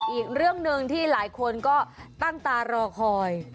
อีกเรื่องหนึ่งที่หลายคนก็ตั้งตารอคอย